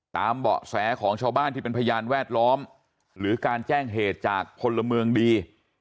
เบาะแสของชาวบ้านที่เป็นพยานแวดล้อมหรือการแจ้งเหตุจากพลเมืองดี